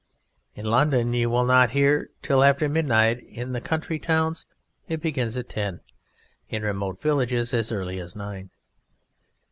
In London you will not hear it till after midnight; in the county towns it begins at ten; in remote villages as early as nine.